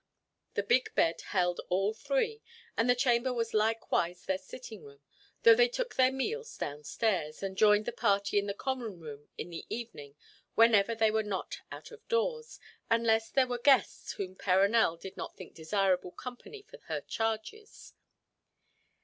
The big bed held all three, and the chamber was likewise their sitting room, though they took their meals down stairs, and joined the party in the common room in the evening whenever they were not out of doors, unless there were guests whom Perronel did not think desirable company for her charges.